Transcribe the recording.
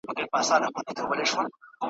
ده څو ځله تلاښ وکړ چي سپی ورک سي `